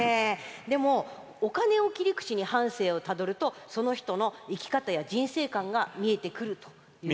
でもお金を切り口に半生をたどると、その人の生き方、人生観が見えてくると。